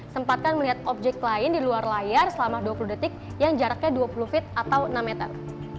sempatkan melihat objek lain di luar layar selama dua puluh detik yang jaraknya dua puluh feet atau enam meter